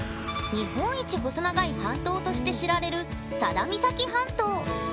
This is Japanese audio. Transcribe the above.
日本一細長い半島として知られる佐田岬半島。